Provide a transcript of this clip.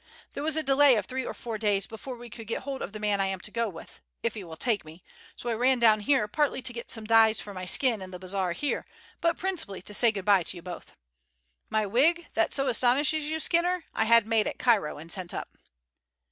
There was a delay of three or four days before we could get hold of the man I am to go with, if he will take me, so I ran down here partly to get some dyes for my skin in the bazaar here, but principally to say good bye to you both. My wig, that so astonishes you, Skinner, I had made at Cairo and sent up."